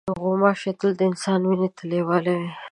غوماشې تل د انسان وینې ته لیواله وي.